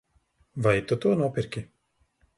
Vai tu to nopirki?